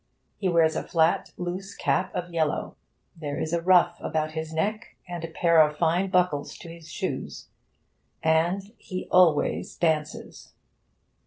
He wears a flat, loose cap of yellow. There is a ruff about his neck, and a pair of fine buckles to his shoes, and he always dances.